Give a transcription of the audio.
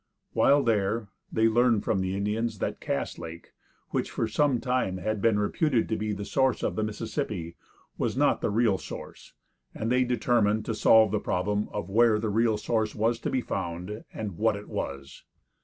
While there, they learned from the Indians that Cass lake, which for some time had been reputed to be the source of the Mississippi, was not the real source, and they determined to solve the problem of where the real source was to be found, and what it was.